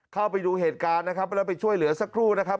เข้าไปดูเหตุการณ์นะครับแล้วไปช่วยเหลือสักครู่นะครับ